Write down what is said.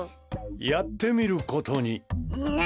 やってみることに。